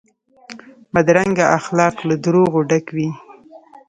بدرنګه اخلاق له دروغو ډک وي